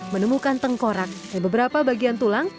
menemukan tengkorak di beberapa bagian tulang